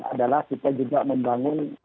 adalah kita juga membangun